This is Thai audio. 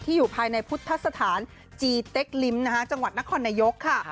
อยู่ภายในพุทธสถานจีเต็กลิ้มจังหวัดนครนายกค่ะ